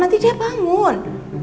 nanti dia bangun